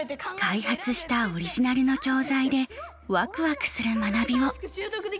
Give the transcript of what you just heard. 開発したオリジナルの教材でワクワクする学びを。